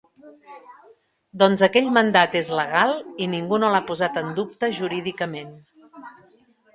Doncs aquell mandat és legal i ningú no l’ha posat en dubte jurídicament.